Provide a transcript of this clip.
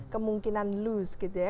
kemungkinan lose gitu ya